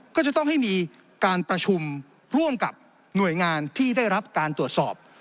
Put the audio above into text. ก็จะต้องให้มีการประชุมร่วมกับหน่วยงานที่ได้รับการตรวจสอบ